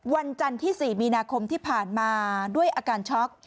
วันจันทร์ที่๔มีนาคมที่ผ่านมาด้วยอาการช็อก